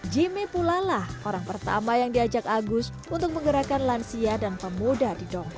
jimmy pula lah orang pertama yang diajak agus untuk menggerakkan lansia dan pemuda di donggala